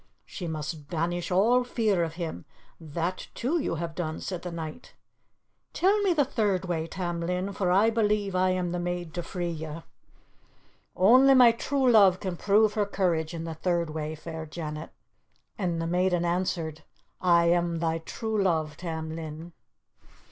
"She must banish all fear of him. That, too, you have done," said the knight. "Tell me the third way, Tam Lin, for I believe I am the maid to free you." "Only my true love can prove her courage in the third way, fair Janet." And the maiden answered, "I am thy true love, Tam Lin."